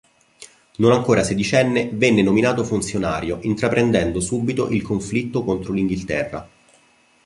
Non ancora sedicenne, venne nominato funzionario intraprendendo subito il conflitto contro l'Inghilterra.